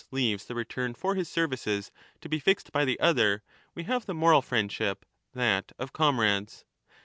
lo 1242^ leaves^ the return for his services to^be^xed by the other, we have the moral friendship, that of comrades.